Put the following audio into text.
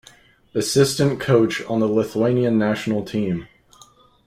Assistant coach on the Lithuanian national team.